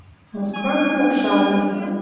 Москвана покшалны